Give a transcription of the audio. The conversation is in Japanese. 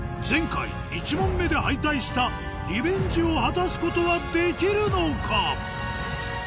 前回１問目で敗退したリベンジを果たすことはできるのか？